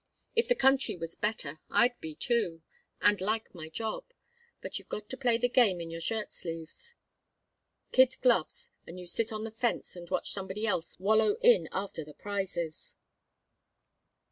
If the country was better I'd be, too, and like my job. But you've got to play the game in your shirt sleeves. Kid gloves, and you sit on the fence and watch somebody else wallow in after the prizes."